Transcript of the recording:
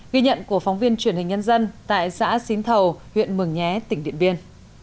ghi nhận của phóng viên truyền hình nhân dân tại xã xín thầu huyện mường nhé tỉnh điện biên